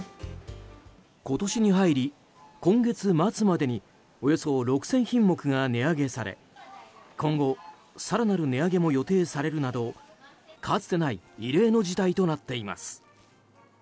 今年に入り、今月末までにおよそ６０００品目が値上げされ今後、更なる値上げも予定されるなどかつてない異例の事態となっています。